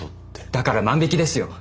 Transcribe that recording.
だから万引きですよ。